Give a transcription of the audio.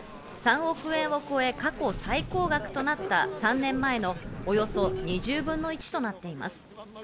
３億円を超え、過去最高額となった３年前のおよそ２０分の１となっています。